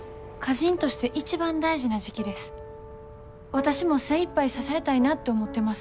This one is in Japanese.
私も精いっぱい支えたいなって思ってます。